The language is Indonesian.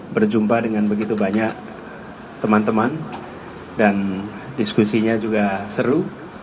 berjumpa dengan begitu banyak teman teman dan diskusinya juga seru